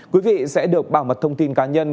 quý vị sẽ được bảo mật thông tin cá nhân